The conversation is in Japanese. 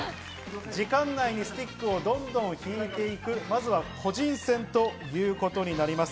時間内にスティックをどんどん引いていくまずは個人戦ということになります。